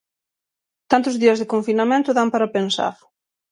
Tantos días de confinamento dan para pensar.